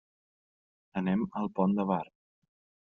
Anem al Pont de Bar.